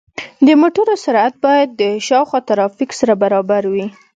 د موټرو سرعت باید د شاوخوا ترافیک سره برابر وي.